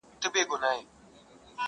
هم به ښادۍ وي هم به لوی لوی خیراتونه کېدل٫